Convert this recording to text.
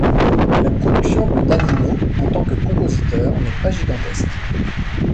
La production de Nanino, en tant que compositeur, n'est pas gigantesque.